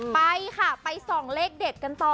ไปค่ะไปส่องเลขเด็ดกันต่อ